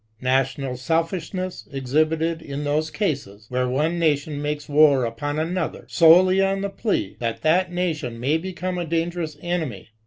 National selfishness exhibited in those cases where one nation makes war upon another solely on the plea that that nation may become a dangerous enemy.